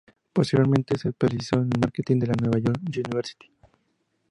Posteriormente se especializó en marketing en la New York University.